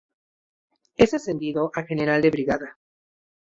Es ascendido a General de Brigada.